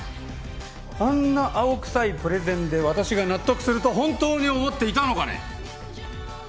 あんな青くさいプレゼンで私が納得すると本当に思っていたのかね？